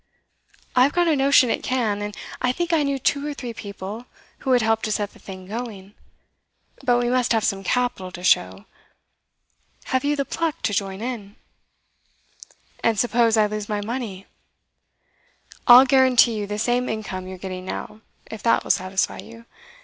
'I've got a notion it can, and I think I know two or three people who would help to set the thing going. But we must have some capital to show. Have you the pluck to join in?' 'And suppose I lose my money?' 'I'll guarantee you the same income you're getting now if that will satisfy you.